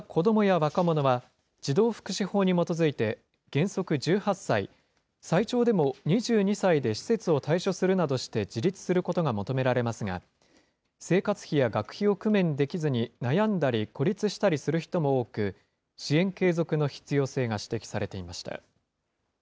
こうした子どもや若者は、児童福祉法に基づいて原則１８歳、最長でも２２歳で施設を退所するなどして自立することが求められますが、生活費や学費を工面できずに悩んだり孤立したりする人も多く、支援継続の必要性が指摘されていました。